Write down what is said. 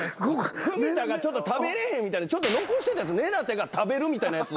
文田がちょっと食べれへんみたいでちょっと残してたやつ根建が食べるみたいなやつ。